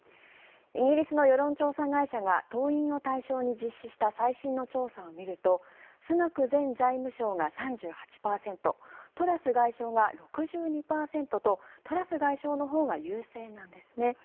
イギリスの世論調査会社が党員を対象に実施した最新の調査を見るとスナク前財務相が３８％トラス外相が６２％とトラス外相のほうが優勢なんですね。